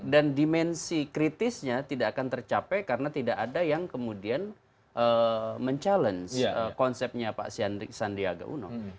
dan dimensi kritisnya tidak akan tercapai karena tidak ada yang kemudian mencabar konsepnya sandiaga uno